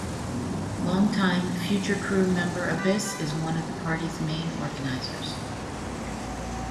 Long time Future Crew member Abyss is one of the party's main organizers.